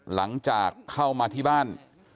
หลังจากเข้ามาที่บ้าน